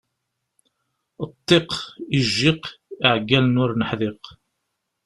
Ṭṭiq, ijjiq, iεeggalen ur neḥdiq.